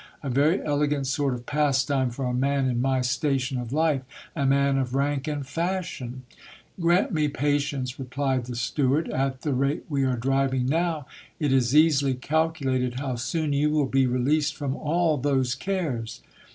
A very elegant sort of pastime for a man in my station of life ; a man of rank and fashion !* "Grant me patience, 1 replied the steward ; at the rate we are driving now, it is easily calculated how soon you will be re leased from all those cares?